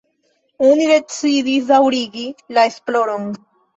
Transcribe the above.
Oni decidis daŭrigi la esploron.